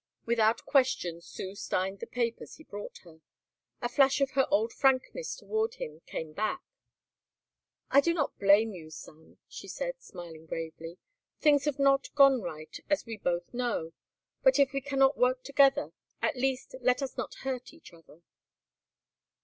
Without question Sue signed the papers he brought her. A flash of her old frankness toward him came back. "I do not blame you, Sam," she said, smiling bravely. "Things have not gone right, as we both know, but if we cannot work together at least let us not hurt each other."